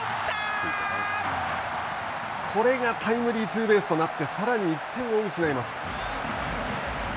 これがタイムリーツーベースとなってさらに１点を失います。